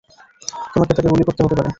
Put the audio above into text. তোমাকে তাকে গুলি করতে হতে পারে।